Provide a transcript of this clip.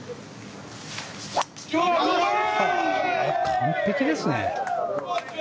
完璧ですね。